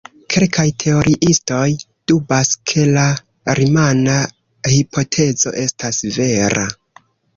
Kelkaj teoriistoj dubas ke la rimana hipotezo estas vera.